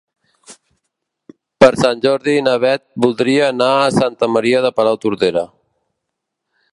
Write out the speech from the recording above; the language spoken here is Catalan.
Per Sant Jordi na Beth voldria anar a Santa Maria de Palautordera.